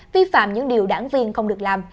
vi phạm những điều đảng viên không được làm